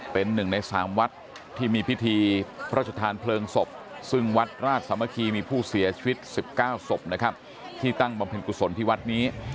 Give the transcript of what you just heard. เป็นหนึ่งในสามวัดที่มีพิธีพระชธานเพลิงศพซึ่งวัดราชสามัคคีมีผู้เสียชีวิต๑๙ศพนะครับที่ตั้งบำเพ็ญกุศลที่วัดนี้